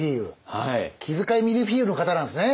気遣い見るフィーユの方なんですね